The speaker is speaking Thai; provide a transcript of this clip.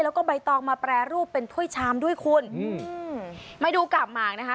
แล้วก็ใบตองมาแปรรูปเป็นถ้วยชามด้วยคุณอืมมาดูกาบหมากนะคะ